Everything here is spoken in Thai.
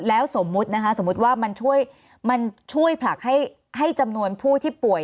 แล้วสมมุติว่ามันช่วยผลักให้จำนวนผู้ที่ป่วย